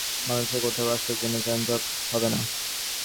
বাংলাদেশের কোথাও রাস্তার জন্য যানজট হবে না।